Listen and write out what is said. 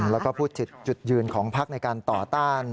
แล้วก็พูดจุดยืนของพักในการต่อต้าน